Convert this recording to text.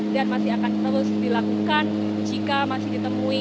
dan masih akan terus dilakukan jika masih ditemui